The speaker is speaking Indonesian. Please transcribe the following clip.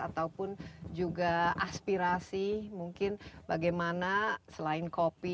ataupun juga aspirasi mungkin bagaimana selain kopi